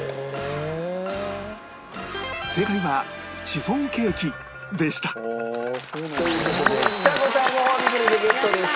正解はシフォンケーキでしたという事でちさ子さんごほうびグルメゲットです。